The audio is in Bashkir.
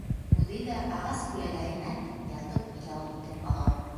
Үҙе лә ағас күләгәһенә ятып ял итеп ала.